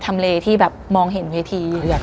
ทำไง